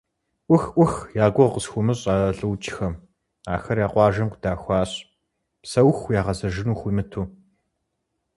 Ӏух! Ӏух! Я гугъу къысхуумыщӀыххэ а лӀыукӀхэм, ахэр я къуажэм къыдахуащ, псэуху ягъэзэжыну хуимыту.